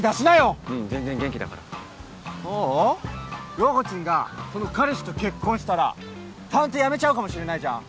涼子ちんがその彼氏と結婚したら探偵やめちゃうかもしれないじゃん。